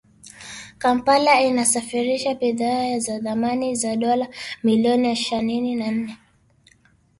Kampala inasafirisha bidhaa za thamani ya dola milioni sanini na nne